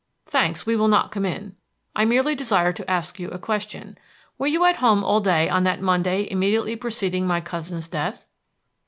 "Thanks, we will not come in. I merely desire to ask you a question. Were you at home all day on that Monday immediately preceding my cousin's death?"